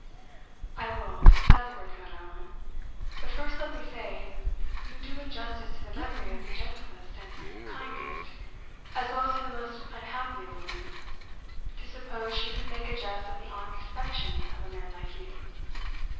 "I will," said Lord Glenallan. "But first let me say, you do injustice to the memory of the gentlest and kindest, as well as to the most unhappy of women, to suppose she could make a jest of the honest affection of a man like you.